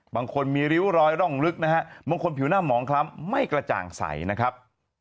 บางคนมีริ้วรอยร่องลึกนะฮะบางคนผิวหน้าหมองคล้ำไม่กระจ่างใสนะครับ